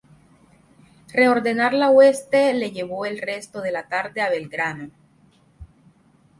Reordenar la hueste le llevó el resto de la tarde a Belgrano.